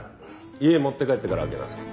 家持って帰ってから開けなさい。